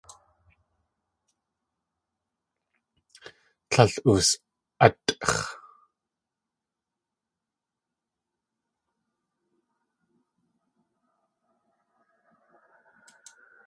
Tlél oos.átʼx̲.